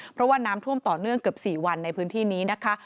เพราะว่าน้ำท่วมต่อเนื่องเกือบ๔วันในพื้นที่นี้นะคะ